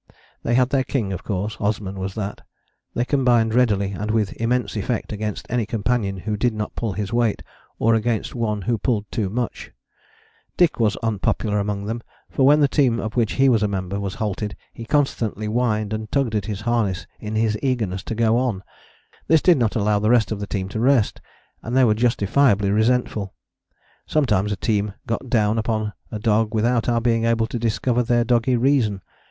They had their king, of course: Osman was that. They combined readily and with immense effect against any companion who did not pull his weight, or against one who pulled too much. Dyk was unpopular among them, for when the team of which he was a member was halted he constantly whined and tugged at his harness in his eagerness to go on: this did not allow the rest of the team to rest, and they were justifiably resentful. Sometimes a team got a down upon a dog without our being able to discover their doggy reason.